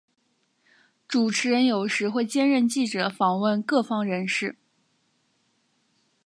主持人有时会兼任记者访问各方人士。